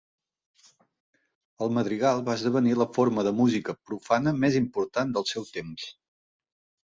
El madrigal va esdevenir la forma de música profana més important del seu temps.